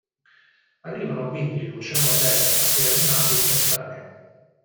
Arrivano quindi Luciano Testa e Renato Cattaneo.